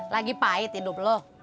lagi pahit hidup lu